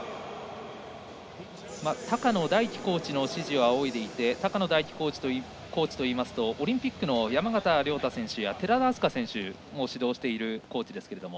高野大樹コーチの指示を仰いでいて高野大樹コーチといいますとオリンピックの山縣選手や寺田選手を指導しているコーチですが。